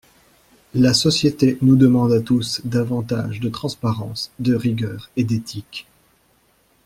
La société nous demande à tous davantage de transparence, de rigueur et d’éthique.